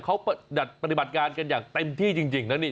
เขาปฏิบัติการกันอย่างเต็มที่จริงนะนี่